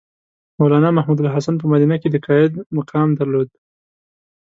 مولنا محمودالحسن په مدینه کې د قاید مقام درلود.